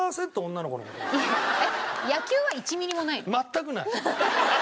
全くない。